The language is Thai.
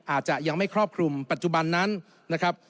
อาจจะยังไม่ครอบคลุมปัจจุบันนั้นนะครับ